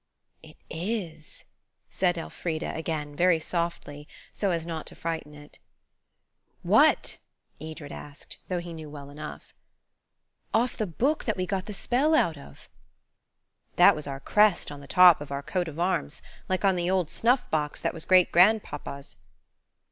"It is," said Elfrida again, very softly, so as not to frighten it. "What?" Edred asked, though he knew well enough. "Off the book that we got the spell out of." "That was our crest on the top of our coat of arms, like on the old snuff box that was great grandpapa's."